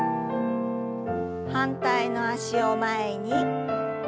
反対の脚を前に。